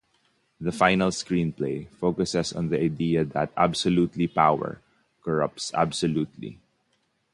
The final screenplay focuses on the idea that "absolute power corrupts absolutely".